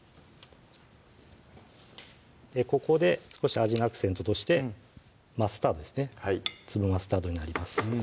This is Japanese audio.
ここで少し味のアクセントとしてマスタードですね粒マスタードになります